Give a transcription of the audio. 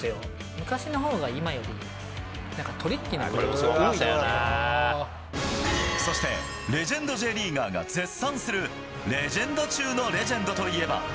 昔のほうが今よりトリッキーなプそして、レジェンドＪリーガーが絶賛する、レジェンド中のレジェンドといえば。